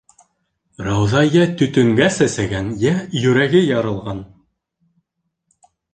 Рауза йә төтөнгә сәсәгән, йә йөрәге ярылған.